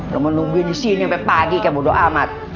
lu menungguin disini sampe pagi kan bodo amat